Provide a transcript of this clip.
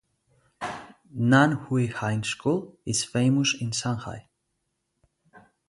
Nanhui High School is famous in Shanghai.